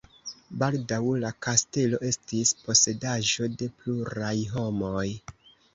Baldaŭ la kastelo estis posedaĵo de pluraj homoj.